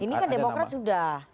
ini kan demokrat sudah